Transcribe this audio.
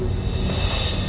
terus bertarung tanpa henti